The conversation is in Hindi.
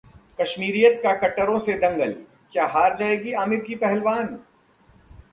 'कश्मीरियत' का कट्टरों से दंगल, क्या हार जाएगी आमिर की पहलवान?